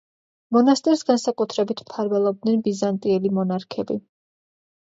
მონასტერს განსაკუთრებით მფარველობდნენ ბიზანტიელი მონარქები.